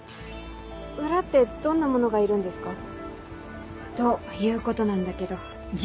裏ってどんなものがいるんですか？ということなんだけど。